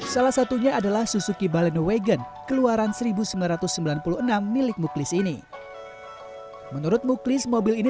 salah satunya adalah suzuki balenowagon keluaran seribu sembilan ratus sembilan puluh enam milik muklis ini menurut muklis mobil ini